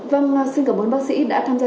vâng xin cảm ơn bác sĩ đã tham gia